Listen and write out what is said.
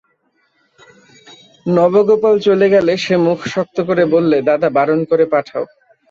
নবগোপাল চলে গেলে সে মুখ শক্ত করে বললে, দাদা, বারণ করে পাঠাও।